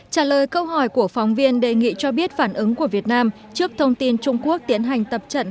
trả lời câu hỏi của phóng viên đề nghị cho biết phản ứng của việt nam trước thông tin trung quốc tiến hành tập trận